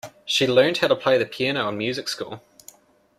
She learned how to play the piano in music school.